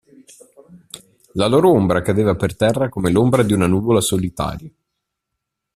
La loro ombra cadeva per terra come l'ombra di una nuvola solitaria.